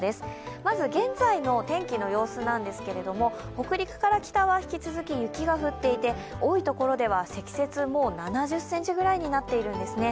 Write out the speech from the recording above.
まず現在の天気の様子なんですけれども、北陸から北は引き続き雪が降っていて多いところでは積雪もう７０ｃｍくらいになっているんですね。